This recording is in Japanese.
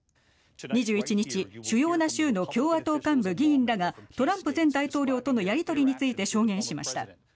２１日、主要な州の共和党幹部議員らがトランプ前大統領とのやり取りについて証言しました。